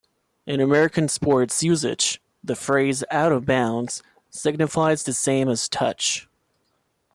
In American sports usage, the phrase "out of bounds" signifies the same as "touch.